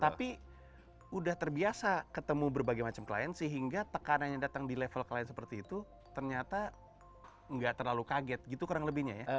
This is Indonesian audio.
tapi sudah terbiasa ketemu berbagai macam klien sehingga tekanan yang datang di level klien seperti itu ternyata nggak terlalu kaget gitu kurang lebihnya ya